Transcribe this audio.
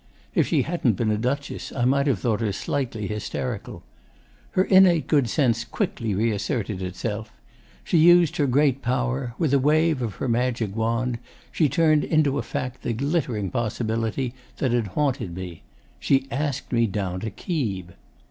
If she hadn't been a Duchess, I might have thought her slightly hysterical. Her innate good sense quickly reasserted itself. She used her great power. With a wave of her magic wand she turned into a fact the glittering possibility that had haunted me. She asked me down to Keeb.